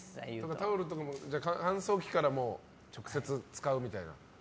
タオルとかも乾燥機から直接使うみたいな？